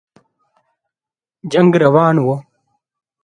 جنګ روان وو.